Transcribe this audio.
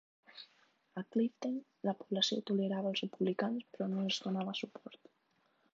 A Clifden, la població tolerava els republicans però no els donava suport.